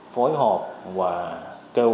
phối hợp với các nhà hậu tâm